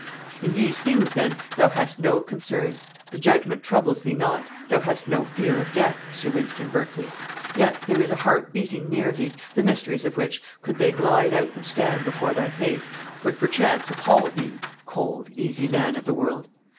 In these things, then, thou hast no concern; the judgment troubles thee not; thou hast no fear of death, Sir Wynston Berkley; yet there is a heart beating near thee, the mysteries of which, could they glide out and stand before thy face, would perchance appal thee, cold, easy man of the world.